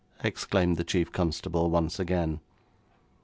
exclaimed the chief constable once again.